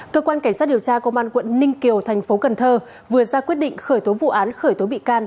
cơ quan cảnh sát điều tra công an quận ninh kiều thành phố cần thơ vừa ra quyết định khởi tố vụ án khởi tố bị can